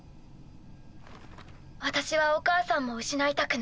私はお母さんも失いたくない。